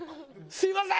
すみません！